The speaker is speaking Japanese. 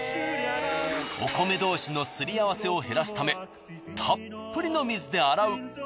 お米同士のすり合わせを減らすためたっぷりの水で洗う。